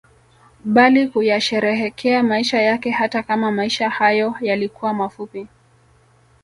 Bali kuyasherehekea maisha yake hata kama maisha hayo yalikuwa mafupi